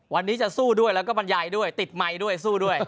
วันนี้จะสู้ด้วยแล้วก็บรรยายด้วยติดไมค์ด้วยสู้ด้วย